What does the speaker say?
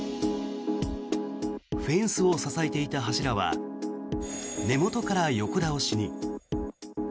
フェンスを支えていた柱は根元から横倒しに。